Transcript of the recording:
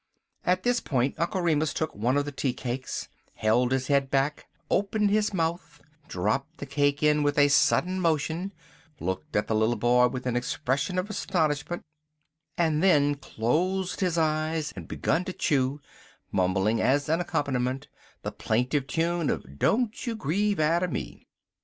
At this point Uncle Remus took one of the teacakes, held his head back, opened his mouth, dropped the cake in with a sudden motion, looked at the little boy with an expression of astonishment, and then closed his eyes, and begun to chew, mumbling as an accompaniment the plaintive tune of "Don't you Grieve atter Me."